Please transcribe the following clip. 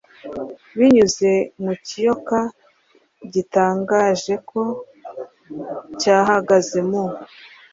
Binyuze mu kiyoka gitangajeko cyahagaze mu